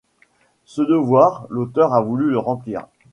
Ce devoir, l’auteur a voulu le remplir.